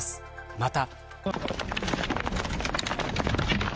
また。